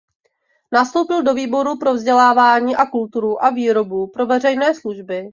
Nastoupil do výboru pro vzdělávání a kulturu a výboru pro veřejné služby.